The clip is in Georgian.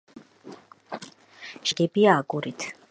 შესასვლელთა თაღები ნაგებია აგურით.